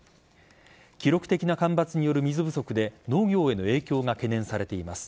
記録的な干ばつによる水不足で農業への影響が懸念されています。